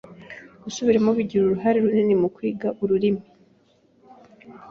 Gusubiramo bigira uruhare runini mukwiga ururimi.